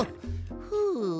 ふう。